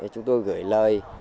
chúng tôi gửi lời